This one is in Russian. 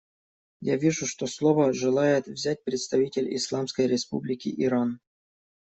Я вижу, что слово желает взять представитель Исламской Республики Иран.